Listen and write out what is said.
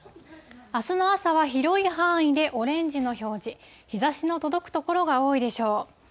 あすの朝は広い範囲でオレンジの表示、日ざしの届く所が多いでしょう。